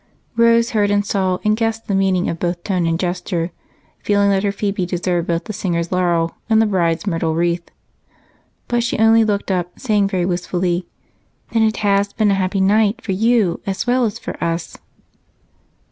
Rose heard and saw and guessed at the meaning of both tone and gesture, feeling that her Phebe deserved both the singer's laurel and the bride's myrtle wreath. But she only looked up, saying very wistfully: "Then it has been a happy night for you as well as for us."